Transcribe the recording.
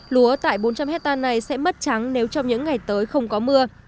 lúa tại bốn trăm linh hectare này sẽ mất trắng nếu trong những ngày tới không có mưa